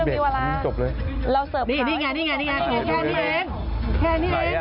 พี่หนุ่มแค่นี้แหละ